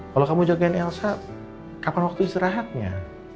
kalau kamu jogjain elsa kapan waktu istirahatnya